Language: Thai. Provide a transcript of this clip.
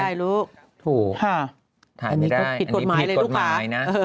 ถูกถ่ายไม่ได้อันนี้ผิดกฎหมายเลยลูกขา